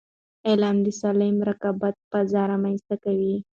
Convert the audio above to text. علم د سالم رقابت فضا رامنځته کوي.